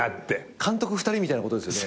監督２人みたいなことですよね。